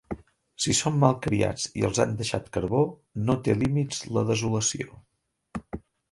Si són malcriats i els han deixat carbó, no té límits la desolació.